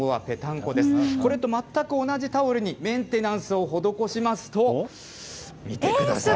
これと全く同じタオルにメンテナンスを施しますと、見てください。